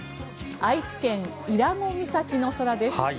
愛知県伊良湖岬の空です。